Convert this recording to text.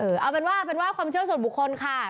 เอาเป็นว่าเป็นว่าความเชื่อส่วนบุคคลค่ะ